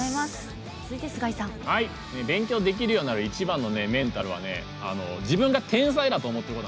勉強できるようになる一番のメンタルは、自分が天才だと思うこと。